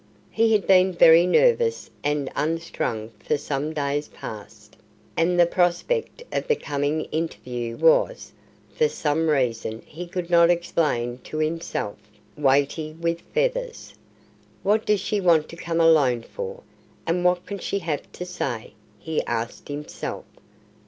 He had been very nervous and unstrung for some days past, and the prospect of the coming interview was, for some reason he could not explain to himself, weighty with fears. "What does she want to come alone for? And what can she have to say?" he asked himself.